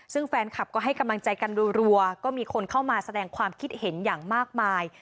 ซึ่งแฟนคลับก็ให้กำลังใจกันรัวก็มีคนเข้ามาแสดงความคิดเห็นอย่างมากมาย